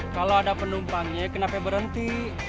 kalau ada penumpangnya kenapa berhenti